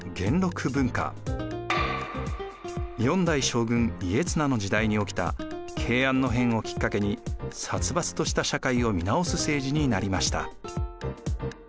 ４代将軍・家綱の時代に起きた慶安の変をきっかけに殺伐とした社会を見直す政治になりました。